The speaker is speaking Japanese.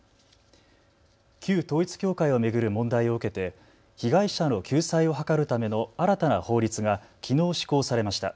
旧統一教会を巡る問題を受けて被害者の救済を図るための新たな法律がきのう施行されました。